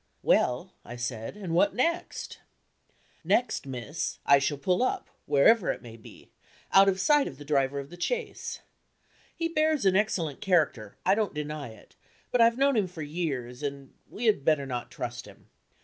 "Well," I said, "and what next?" "Next, miss, I shall pull up, wherever it may be, out of sight of the driver of the chaise. He bears an excellent character, I don't deny it; but I've known him for years and we had better not trust him.